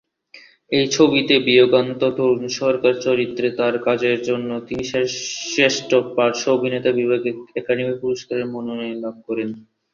এই ছবিতে বিয়োগান্ত তরুণ সুরকার চরিত্রে তার কাজের জন্য তিনি শ্রেষ্ঠ পার্শ্ব অভিনেতা বিভাগে একাডেমি পুরস্কারের মনোনয়ন লাভ করেন।